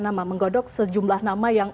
nama menggodok sejumlah nama yang